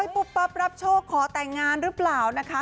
พบประชบขอแต่งงานหรือเปล่านะคะ